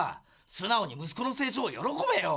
すなおに息子の成長を喜べよ！